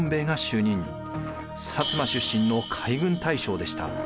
摩出身の海軍大将でした。